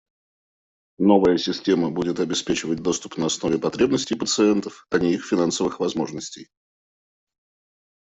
Новая система будет обеспечивать доступ на основе потребностей пациентов, а не их финансовых возможностей.